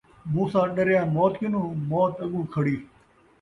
موسیٰ ݙریا موت کنوں ، موت اڳوں کھڑی